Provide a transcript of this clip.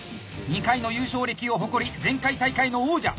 ２回の優勝歴を誇り前回大会の王者。